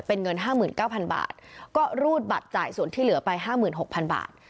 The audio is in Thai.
เป็นเงิน๕๙๐๐บาทก็รูดบัตรจ่ายส่วนที่เหลือไป๕๖๐๐๐บาท